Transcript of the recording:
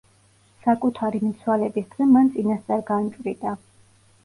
საკუთარი მიცვალების დღე მან წინასწარ განჭვრიტა.